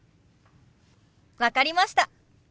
分かりました。